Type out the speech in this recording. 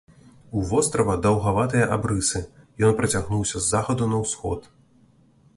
У вострава даўгаватыя абрысы, ён працягнуўся з захаду на ўсход.